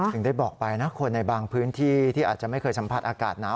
ถึงได้บอกไปนะคนในบางพื้นที่ที่อาจจะไม่เคยสัมผัสอากาศหนาว